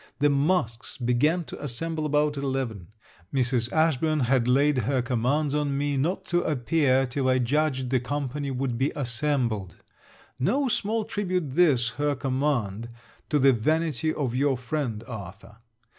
The masques began to assemble about eleven. Mrs. Ashburn had laid her commands on me not to appear till I judged the company would be assembled. No small tribute this her command to the vanity of your friend, Arthur.